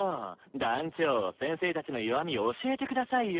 団長先生たちの弱み教えて下さいよ。